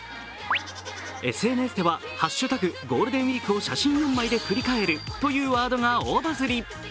ＳＮＳでは「ＧＷを写真４枚で振り返る」というワードが大バズり。